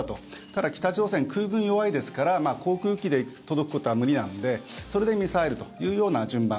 ただ、北朝鮮空軍が弱いですから航空機で届くことは無理なのでそれでミサイルというような順番。